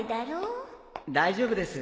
大丈夫です。